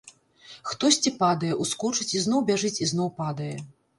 Хтосьці падае, ускочыць і зноў бяжыць і зноў падае.